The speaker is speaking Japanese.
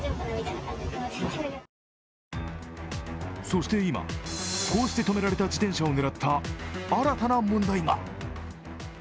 そして今、こうして止められた自転車を狙った新たな問題が。